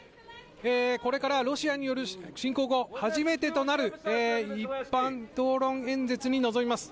これからロシアによる侵攻後初めてとなる一般討論演説に臨みます。